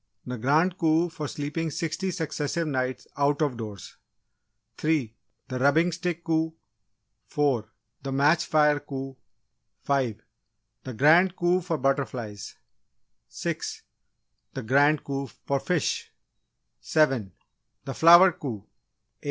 The Grand Coup for sleeping sixty successive nights out of doors 3. The Rubbing Stick Coup 4. The Match Fire Coup 5. The Grand Coup for butterflies 6. The Grand Coup for fish 7. The Flower Coup 8.